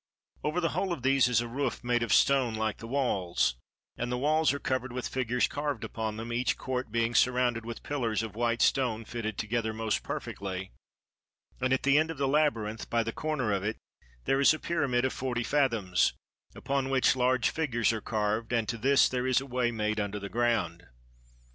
Over the whole of these is a roof made of stone like the walls; and the walls are covered with figures carved upon them, each court being surrounded with pillars of white stone fitted together most perfectly; and at the end of the labyrinth, by the corner of it, there is a pyramid of forty fathoms, upon which large figures are carved, and to this there is a way made under ground.